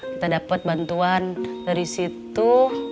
kita dapat bantuan dari situ